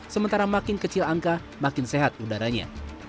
sementara makin kecil angka makin sehat udaranya